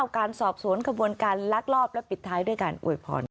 การสอบสวนขบวนการลักลอบและปิดท้ายด้วยการอวยพร